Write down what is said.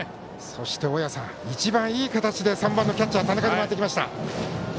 そして一番いい形で３番のキャッチャー田中に回ってきました。